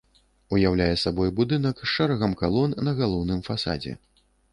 Уяўляе сабой будынак з шэрагам калон на галоўным фасадзе.